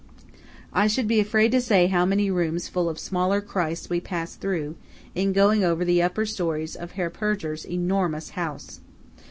I should be afraid to say how many rooms full of smaller Christs we passed through, in going over the upper storeys of Herr Purger's enormous house.